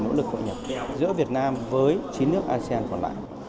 nỗ lực hội nhập giữa việt nam với chín nước asean còn lại